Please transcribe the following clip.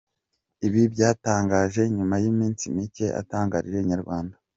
Ibi yabitangaje nyuma y'iminsi micye atangarije Inyarwanda.